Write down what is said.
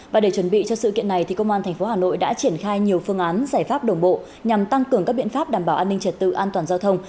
và để chuẩn bị cho sự kiện này công an tp hà nội đã triển khai nhiều phương án giải pháp đồng bộ nhằm tăng cường các biện pháp đảm bảo an ninh trật tự an toàn giao thông